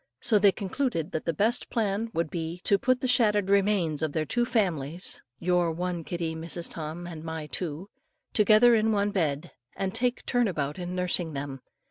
So they concluded that the best plan would be to put the shattered remains of the two families, "Your one kitty, Mrs. Tom, and my two," together in one bed, and take turn about in nursing them.